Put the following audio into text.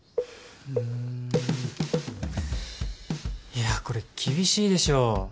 いやこれ厳しいでしょ。